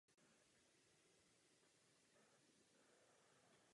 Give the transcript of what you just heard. Působil jako farní vikář při kostele Povýšení svatého Kříže v Kole.